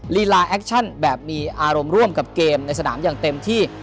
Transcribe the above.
ลีลาแอคชั่นแบบมีอารมณ์ร่วมกับเกมในสนามอย่างเต็มที่